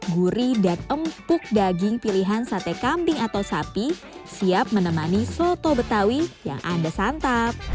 gurih dan empuk daging pilihan sate kambing atau sapi siap menemani soto betawi yang anda santap